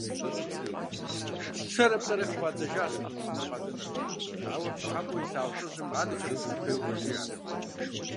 Щэрэ-плӏэрэ хыфӏидзэжащ абы псынэр къэтӏыныр, ауэ пщӏыхьэпӏэу илъагъу лӏыжьым адэкӏэ къитӏын хуейуэ къыжриӏэрт.